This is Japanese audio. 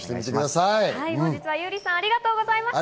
本日は優里さん、ありがとうございました。